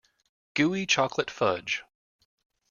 Gooey chocolate fudge.